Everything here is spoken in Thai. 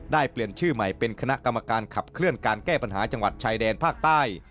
เปลี่ยนชื่อใหม่เป็นคณะกรรมการขับเคลื่อนการแก้ปัญหาจังหวัดชายแดนภาคใต้